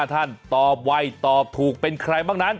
ท่านตอบไวตอบถูกเป็นใครบ้างนั้น